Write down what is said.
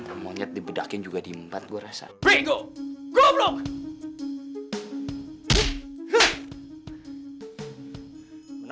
om mau nemenin tante tuh kasihan tante